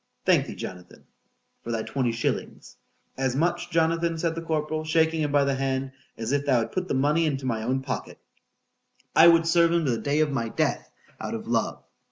—Thank thee, Jonathan! for thy twenty shillings,—as much, Jonathan, said the corporal, shaking him by the hand, as if thou hadst put the money into my own pocket.——I would serve him to the day of my death out of love.